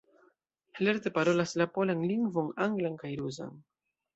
Lerte parolas la polan lingvon, anglan kaj rusan.